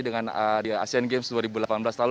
dengan di asean games dua ribu delapan belas lalu